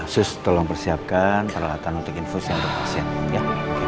sus tolong persiapkan peralatan untuk infus untuk pasien ya